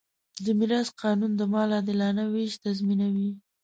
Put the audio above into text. د میراث قانون د مال عادلانه وېش تضمینوي.